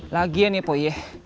lagian ya boy ya